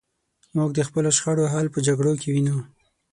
موږ د خپلو شخړو حل په جګړو کې وینو.